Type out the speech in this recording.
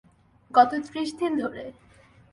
গত ত্রিশ দিন ধরে।